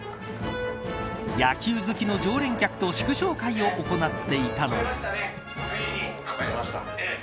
野球好きの常連客と祝勝会を行っていたのです。